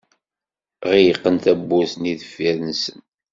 Ɣelqen tawwurt-nni deffir-nsen.